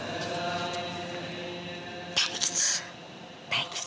大吉！